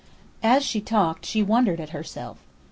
As she talked she wondered at herself.